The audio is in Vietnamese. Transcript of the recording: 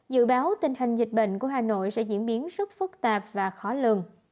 dự báo tình hình dịch bệnh của hà nội sẽ diễn biến rất phức tạp và khó lường